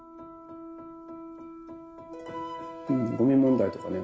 うんゴミ問題とかね